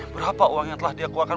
berapa uang yang telah dia keluarkan